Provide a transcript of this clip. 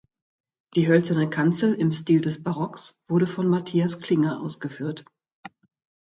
Die hölzerne Kanzel im Stil des Barocks wurde von Matthias Klinger ausgeführt.